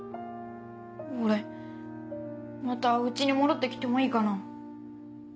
俺また家に戻って来てもいいかな？